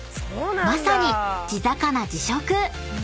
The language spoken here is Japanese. ［まさに地魚地食］